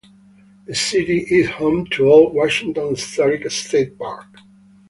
The city is home to Old Washington Historic State Park.